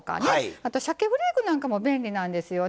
あとしゃけフレークなんかも便利なんですよね。